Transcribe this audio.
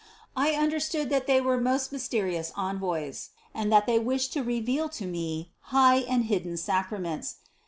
I understood that they were most mysterious envoys and that they wished to reveal to me high and hidden sacraments.